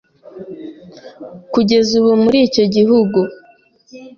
kugeza ubu muri icyo gihugu